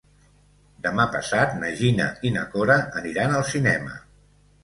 Demà passat na Gina i na Cora aniran al cinema.